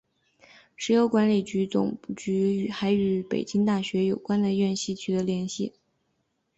石油管理总局还与北京大学有关的院系取得了联系。